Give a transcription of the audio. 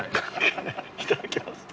いただきます。